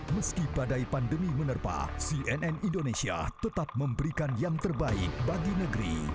meski badai pandemi menerpa cnn indonesia tetap memberikan yang terbaik bagi negeri